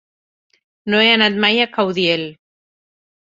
No he anat mai a Caudiel.